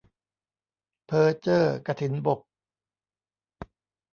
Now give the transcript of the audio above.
เพ้อเจ้อกฐินบก